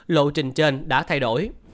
lộ trình trên đã thay đổi